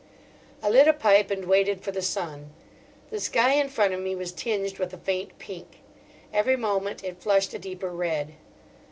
I lit a pipe and waited for the sun. The sky in front of me was tinged with a faint pink. Every moment it flushed a deeper red.